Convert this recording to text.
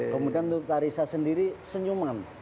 kemudian tuta risa sendiri senyuman